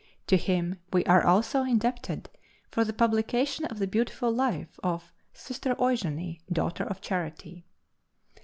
To him we are also indebted for the publication of the beautiful life of "Sister Eugenie, Daughter of Charity."